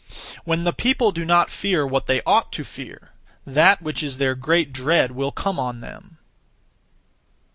When the people do not fear what they ought to fear, that which is their great dread will come on them.